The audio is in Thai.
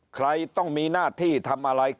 ใครต้องมีหน้าที่ทำอะไร